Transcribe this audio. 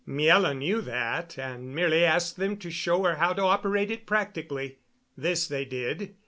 Miela knew that, and merely asked them to show her how to operate it practically. This they did.